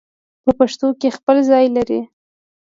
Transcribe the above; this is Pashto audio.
په پښتو کې خپل ځای لري